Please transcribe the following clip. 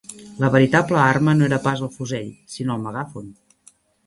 La veritable arma no era pas el fusell, sinó el megàfon